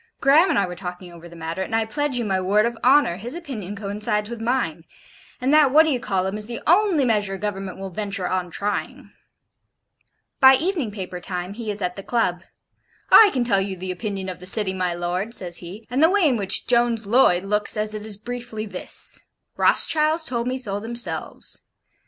Graham and I were talking over the matter, and I pledge you my word of honour, his opinion coincides with mine; and that What d'ye call um is the only measure Government will venture on trying.' By evening paper time he is at the Club: 'I can tell you the opinion of the City, my lord,' says he, 'and the way in which Jones Loyd looks at it is briefly this: Rothschilds told me so themselves.